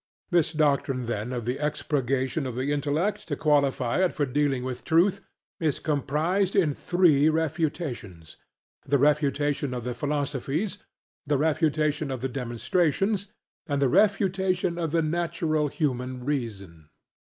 This doctrine then of the expurgation of the intellect to qualify it for dealing with truth, is comprised in three refutations: the refutation of the Philosophies; the refutation of the Demonstrations; and the refutation of the Natural Human Reason.